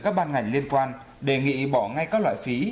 các ban ngành liên quan đề nghị bỏ ngay các loại phí